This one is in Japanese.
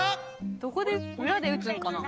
どこで裏で打つのかな？